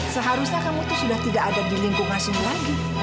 seharusnya kamu tuh sudah tidak ada di lingkungan sini lagi